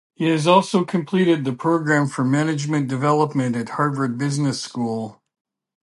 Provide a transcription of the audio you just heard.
He has also completed the Program for Management Development at Harvard Business School.